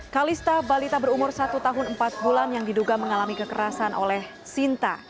kalista balita berumur satu tahun empat bulan yang diduga mengalami kekerasan oleh sinta